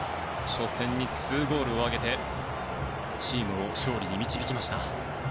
初戦に２ゴールを挙げてチームを勝利に導きました。